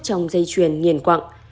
trong dây chuyền nghiền quặng